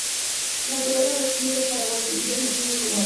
Naturales de Brasil, Paraguay, Bolivia, Argentina y Uruguay.